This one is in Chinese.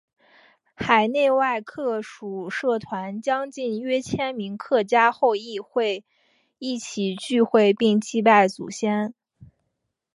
海内外客属社团将近约千名客家后裔会一起聚会并祭拜祖先。